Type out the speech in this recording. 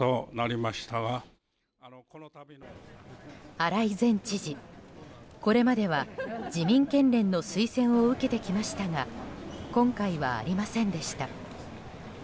荒井前知事、これまでは自民県連の推薦を受けてきましたが今回はありませんでした。